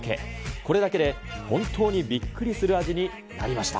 これだけで本当にびっくりする味になりました。